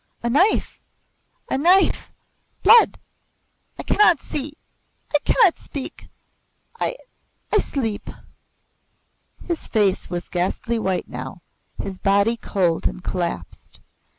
A knife a knife! Blood! I cannot see I cannot speak! I I sleep." His face was ghastly white now, his body cold and collapsed.